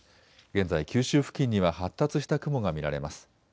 現在、九州付近には発達した雲が見られます。